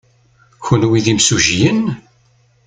Kenwi d imsujjiyen?